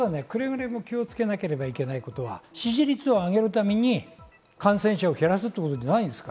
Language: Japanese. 気をつけなければいけないのは支持率を上げるために感染者を減らすということじゃないです。